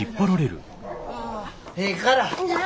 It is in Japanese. ええから！何？